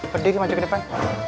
berdiri maju ke depan